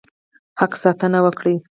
حق ساتنه وکړي.